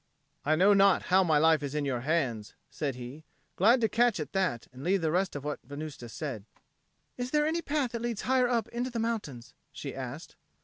"I know not how my life is in your hands," said he, glad to catch at that and leave the rest of what Venusta said. "Is there any path that leads higher up into the mountains?" she asked.